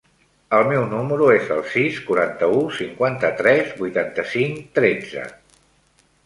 El meu número es el sis, quaranta-u, cinquanta-tres, vuitanta-cinc, tretze.